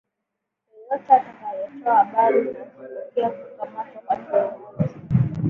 yeyote atakayetoa habari zitakazopelekea kukamatwa kwa kiongozi